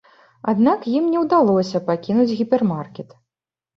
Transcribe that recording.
Аднак ім не ўдалося пакінуць гіпермаркет.